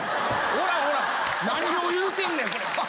おらんおらん何を言うてんねん。